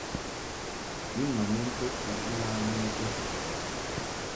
I ma n into kuʼ lam I bə.